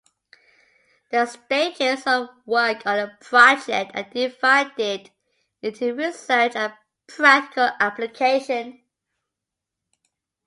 The stages of work on the project are divided into research and practical application.